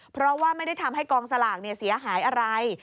เพราะว่าไม่ได้ทำให้กองสลากเสียหายอะไร